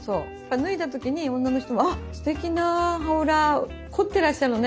脱いだ時に女の人は「あっすてきな羽裏凝ってらっしゃるのね。